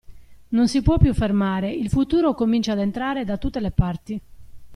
Non si può più fermare, il futuro comincia a entrare da tutte le parti.